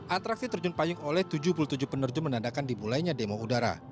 atraksi terjun payung oleh tujuh puluh tujuh penerjun menandakan dimulainya demo udara